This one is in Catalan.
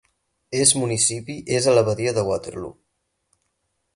És municipi és a l'abadia de Waterloo.